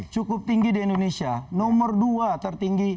cukup tinggi di indonesia nomor dua tertinggi